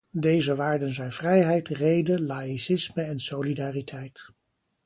Deze waarden zijn vrijheid, rede, laïcisme en solidariteit.